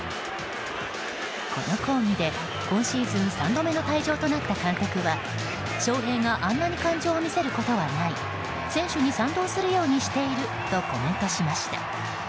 この抗議で今シーズン３度目の退場となった監督は翔平があんなに感情を見せることはない選手に賛同するようにしているとコメントしました。